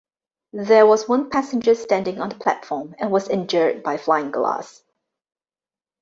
There was one passenger standing on the platform and was injured by flying glass.